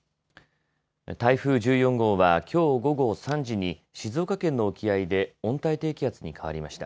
台風１４号はきょう午後３時に静岡県の沖合で温帯低気圧に変わりました。